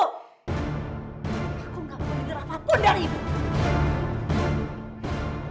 aku gak mau dengar apapun dari ibu